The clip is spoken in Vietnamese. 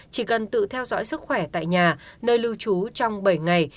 chỉ cần tự theo dõi sức khỏe tại nhà nơi lưu trú trong bảy ngày